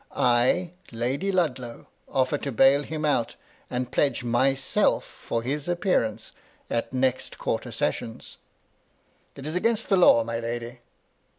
I, Lady Ludlow, offer to bail him out, and pledge myself for his appearance at next quarter sessions." " It is against the law, my lady."